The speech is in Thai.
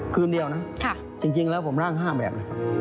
คืนเดียวนะจริงแล้วผมร่าง๕แบบ